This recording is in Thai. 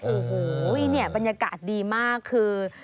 โอ้โหเนี่ยบรรยากาศดีมากคือ